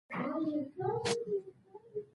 له چټک راتاوېدو سره يې په ټکنۍ ژبه وويل.